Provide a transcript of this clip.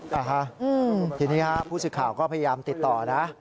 ครับทีนี้ผู้สิทธิ์ข่าวก็พยายามติดต่อนะ